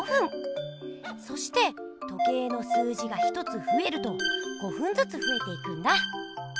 そして時計の数字が１つふえると５ふんずつふえていくんだ！